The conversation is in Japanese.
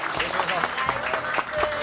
お願いします。